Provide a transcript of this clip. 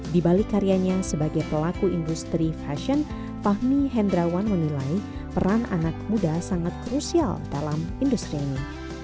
di balik karyanya sebagai pelaku industri fashion fahmi hendrawan menilai peran anak muda sangat krusial dalam industri ini